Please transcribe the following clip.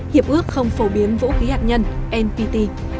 hiệp ước không phổ biến vũ khí hạt nhân npt